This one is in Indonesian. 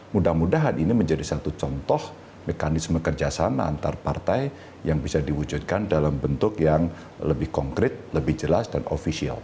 mudah mudahan ini menjadi satu contoh mekanisme kerjasama antar partai yang bisa diwujudkan dalam bentuk yang lebih konkret lebih jelas dan ofisial